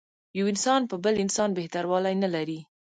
یو انسان په بل انسان بهتر والی نه لري.